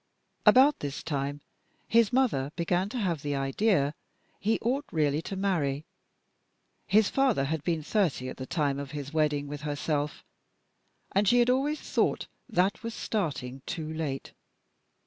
About this time his mother began to have the idea he ought really to marry. His father had been thirty at the time of his wedding with herself, and she had always thought that was starting too late.